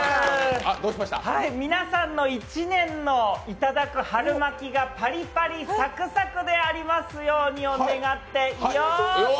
皆さんの一年のいただく春巻きがパリパリサクサクでありますようにを願っていよー！